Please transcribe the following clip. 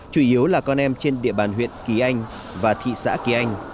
chủ yếu là con em trên địa bàn huyện kỳ anh và thị xã kỳ anh